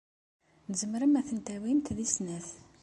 Tzemrem ad tent-tawimt deg snat.